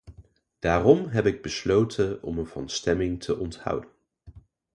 Daarom heb ik besloten om me van stemming te onthouden.